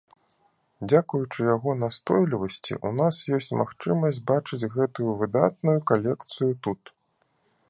Дзякуючы яго настойлівасці, у нас ёсць магчымасць бачыць гэтую выдатную калекцыю тут.